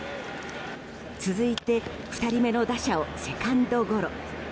続いて、２人目の打者をセカンドゴロ。